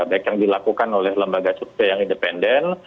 baik yang dilakukan oleh lembaga survei yang independen